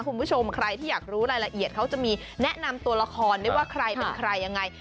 คุณผู้ชมใครที่อยากรู้รายละเอียดเขาจะมีแนะนำตัวละครด้วยว่าใครเป็นใครยังไง